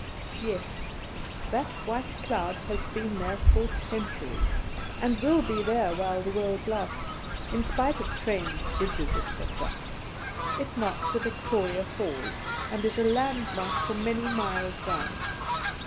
Yes, that white cloud has been there for centuries, and will be there while the world lasts, in spite of trains, bridges, etc. It marks the Victoria Falls, and is a landmark for many miles round.